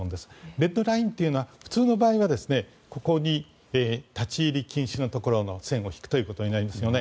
レッドラインというのは普通の場合はここに立ち入り禁止のところの線を引くということになりますよね。